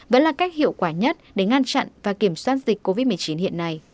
vẫn là cách hiệu quả nhất để ngăn chặn và kiểm soát dịch covid một mươi chín hiện nay